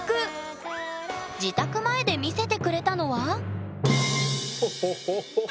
自宅前で見せてくれたのはホホホホ。